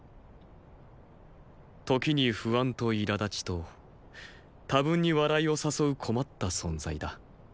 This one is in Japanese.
時に不安と苛立ちと多分に笑いを誘う困った存在だ。